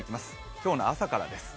今日の朝からです。